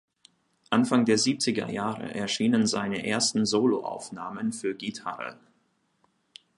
Anfang der siebziger Jahre erschienen seine ersten Soloaufnahmen für Gitarre.